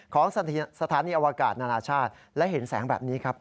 ของสถานีอวกาศนานาชาติและเห็นแสงแบบนี้ครับ